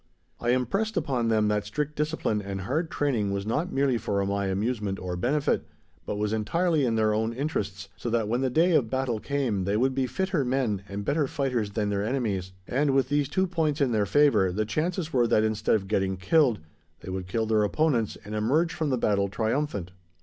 I impressed upon them that strict discipline, and hard training, was not merely for my amusement or benefit, but was entirely in their own interests, so that when the day of battle came they would be fitter men and better fighters than their enemies, and with these two points in their favour the chances were that instead of getting killed, they would kill their opponents and emerge from the battle triumphant.